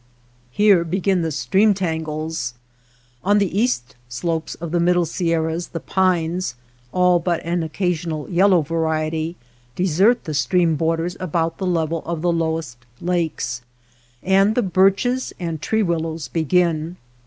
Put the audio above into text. Here begin the stream tangles. On the east slopes of the middle Sierras the 219 TER BORDERS pines, all but an occasional yellow variety, desert the stream borders about the level of the lowest lakes, and the birches and tree willows begin.